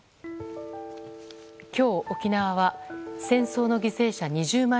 今日、沖縄は戦争の犠牲者２０万